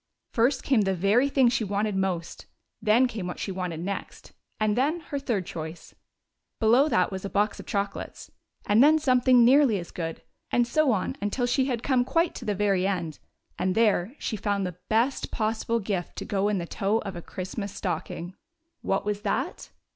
First came tlie very thing she wanted most, then came what she wanted next, and then her third choice. Below that was a box of chocolates, and then something nearly as good, and so on until she had come quite to the very end, and there she found the best possible gift to go in the toe of a Christmas stocking. What was that